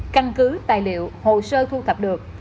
căn cứ tài liệu hồ sơ thu thập được